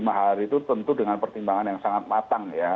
lima hari itu tentu dengan pertimbangan yang sangat matang ya